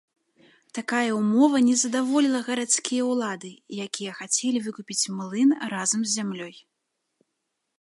Такая ўмова не задаволіла гарадскія ўлады, якія хацелі выкупіць млын разам з зямлёй.